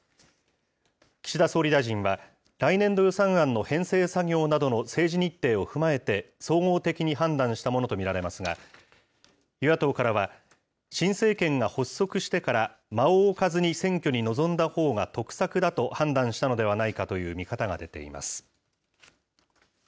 岸田総理大臣は、来年度予算案の編成作業などの政治日程を踏まえて、総合的に判断したものと見られますが、与野党からは、新政権が発足してから間を置かずに選挙に臨んだほうが得策だと判断したのではないかという見方が出ています。